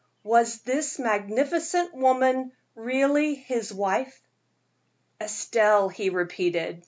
Was this magnificent woman really his wife? "Estelle," he repeated.